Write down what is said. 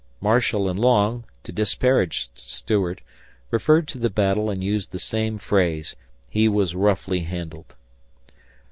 Marshall and Long, to disparage Stuart, referred to the battle and used the same phrase, "he was roughly handled."